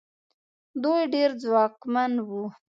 دوی ډېر ځواکمن وو.